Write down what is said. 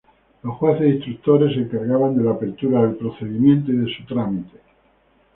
Los jueces instructores se encargaban de la apertura del procedimiento y de su trámite.